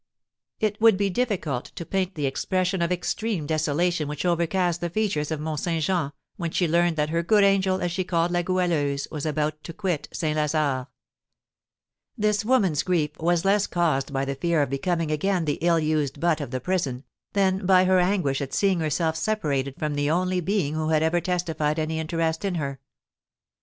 It would be difficult to paint the expression of extreme desolation which overcast the features of Mont Saint Jean, when she learned that her good angel, as she called La Goualeuse, was about to quit St. Lazare. This woman's grief was less caused by the fear of becoming again the ill used butt of the prison, than by her anguish at seeing herself separated from the only being who had ever testified any interest in her.